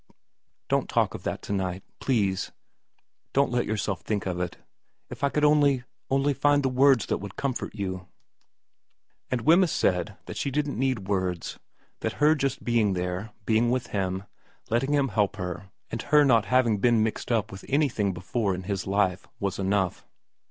' Don't talk of that to night please don't let yourself think of it. If I could only, only find the words that would comfort you ' And Wemyss said that she didn't need words, that just her being there, being with him, letting him help her, and her not having been mixed up with anything before in his life, was enough.